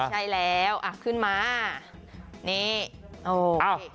ใช่แล้วอ่ะขึ้นมานี่โอเค